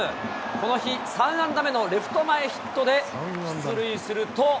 この日、３安打目のレフト前ヒットで出塁すると。